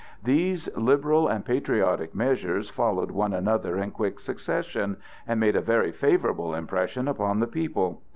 These liberal and patriotic measures followed one another in quick succession and made a very favorable impression upon the people.